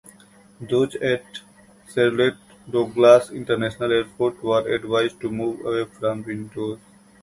Those at Charlotte Douglas International Airport were advised to move away from windows.